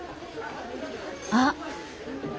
あっ！